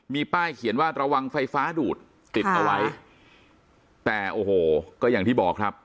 มีป้ายเขียนว่าระวังไฟฟ้าดูดติดเอาไว้แต่โอ้โหก็อย่างที่บอกครับ